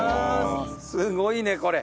すごいねこれ。